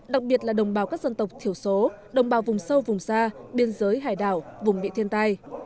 đặc biệt là đồng bào các dân tộc thiểu số đồng bào vùng sâu vùng xa biên giới hải đảo vùng bị thiên tai